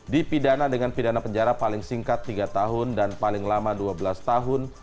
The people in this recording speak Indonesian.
dipidana dengan pidana penjara paling singkat tiga tahun dan paling lama dua belas tahun